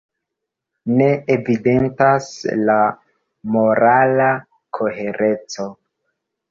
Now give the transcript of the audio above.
Ne evidentas la morala kohereco.